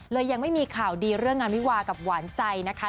เลยยังไม่มีข่าวดีเรื่องอนวิวาค์กับว่านใจนะคะ